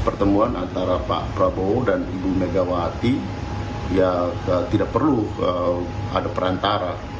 pertemuan antara pak prabowo dan ibu megawati ya tidak perlu ada perantara